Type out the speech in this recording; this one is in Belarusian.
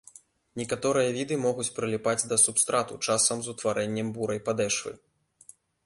Некаторыя віды могуць прыліпаць да субстрату, часам з утварэннем бурай падэшвы.